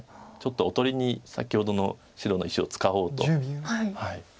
ちょっとおとりに先ほどの白の石を使おうと。